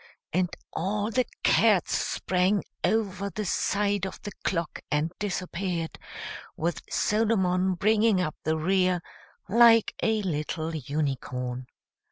and all the cats sprang over the side of the clock, and disappeared, with Solomon bringing up the rear, like a little unicorn.